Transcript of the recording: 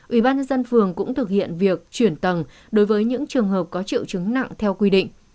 ubnd phường cũng thực hiện việc chuyển tầng đối với những trường hợp có triệu chứng nặng theo quy định